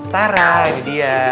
taraaa ini dia